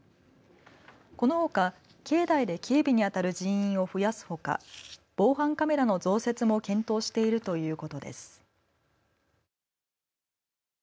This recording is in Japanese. このほか境内で警備にあたる人員を増やすほか防犯カメラの増設も検討しているということです。